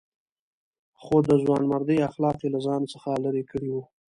خو د ځوانمردۍ اخلاق یې له ځان څخه لرې کړي وو.